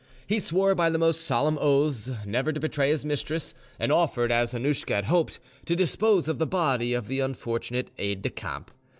He swore by the most solemn oaths never to betray his mistress, and offered, as Annouschka had hoped, to dispose of the body of the unfortunate aide decamp.